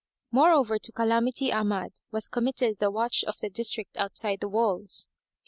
Moreover to Calamity Ahmad was committed the watch of the district outside the walls.